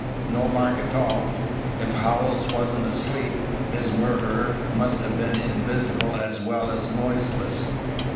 "No mark at all. If Howells wasn't asleep, his murderer must have been invisible as well as noiseless."